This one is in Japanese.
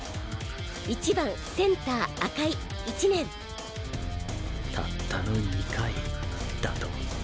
１番センター赤井１年たったの２回だと？